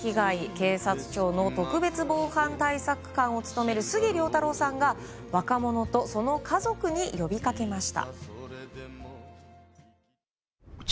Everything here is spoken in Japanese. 警察庁の特別防犯対策監を務める杉良太郎さんが若者とその家族に呼びかけました。